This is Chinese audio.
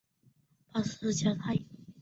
瓦诺勒沙泰勒。